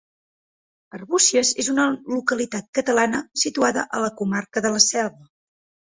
Arbúcies és una localitat catalana situada a la comarca de la Selva.